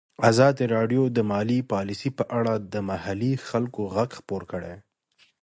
ازادي راډیو د مالي پالیسي په اړه د محلي خلکو غږ خپور کړی.